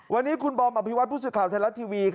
วันนี้คุณบอมอภิวัตผู้สื่อข่าวไทยรัฐทีวี